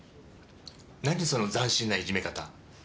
何その斬新ないじめ方。